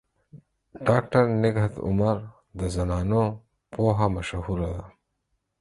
ډاکټر نگهت عمر د زنانو پوهه مشهوره ده.